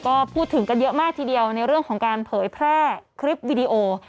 ก็พูดถึงกันเยอะมากทีเดียวในเรื่องของการเผยแพร่คลิปวิดีโอ